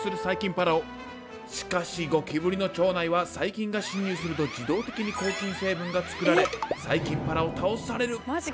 しかしゴキブリの腸内は細菌が侵入すると自動的に抗菌成分が作られ細菌パラオ倒される。